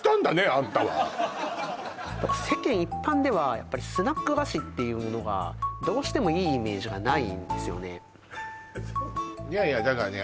アンタは世間一般ではやっぱりスナック菓子っていうものがどうしてもいいイメージがないんですよねいやいやだからね